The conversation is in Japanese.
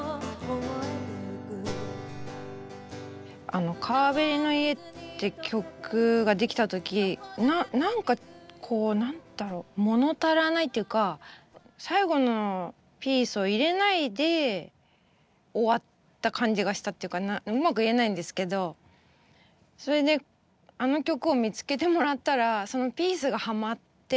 あの「川べりの家」って曲が出来た時何かこう何だろう物足らないっていうか最後のピースを入れないで終わった感じがしたっていうかうまく言えないんですけどそれであの曲を見つけてもらったらそのピースがハマって。